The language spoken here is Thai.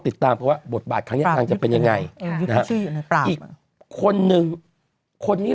ติดตามเพราะว่าบทบาทครั้งนี้อาจจะเป็นยังไงคนนึงคนนี้